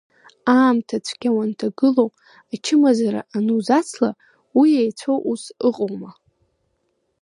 Аамҭа цәгьа уанҭагылоу ачымазара анузацла, уи еицәоу ус ыҟоума!